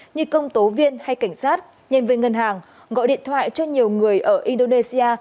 như công tố viên hay cảnh sát nhân viên ngân hàng gọi điện thoại cho nhiều người ở indonesia